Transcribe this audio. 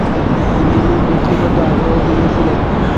তিনি ব্যক্তিগত আগ্রহ নিয়েছিলেন।